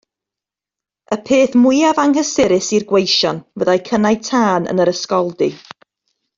Y peth mwyaf anghysurus i'r gweision fyddai cynnau tân yn yr ysgoldy.